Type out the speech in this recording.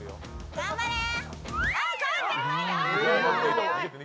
頑張れー。